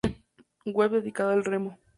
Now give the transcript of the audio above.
Web dedicada al remo